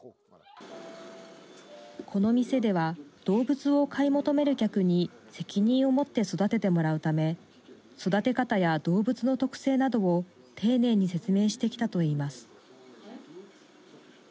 この店では動物を買い求める客に責任を持って育ててもらうため育て方や動物の特性などを丁寧に説明してきたといいます。